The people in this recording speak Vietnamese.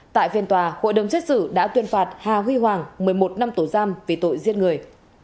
tại phiên tòa hội đồng xét xử đã tuyên phạt hà huy hoàng một mươi một năm tù giam về tội giết người